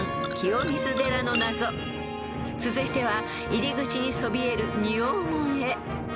［続いては入り口にそびえる仁王門へ］